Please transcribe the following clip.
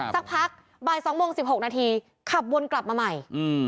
สักพักบ่าย๒โมง๑๖นาทีขับวนกลับมาใหม่